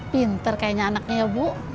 pinter kayaknya anaknya bu